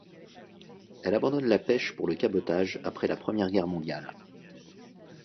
Elle abandonne la pêche pour le cabotage après la Première Guerre mondiale.